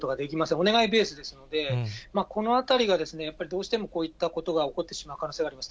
お願いベースですので、このあたりが、やっぱりどうしてもこういったことが起こってしまう可能性があります。